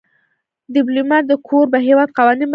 ډيپلومات د کوربه هېواد قوانین مراعاتوي.